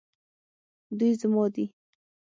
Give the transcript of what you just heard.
دوی زما دي